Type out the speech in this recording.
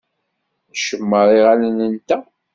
Ncemmeṛ iɣallen-nteɣ.